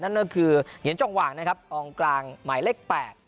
นั่นก็คือเหงียนจองหว่างนะครับกองกลางหมายเลข๘